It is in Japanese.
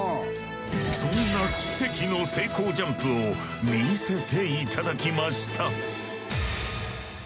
そんな奇跡の成功ジャンプを見せて頂きました。